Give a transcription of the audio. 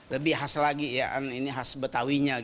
lebih khas lagi khas betawinya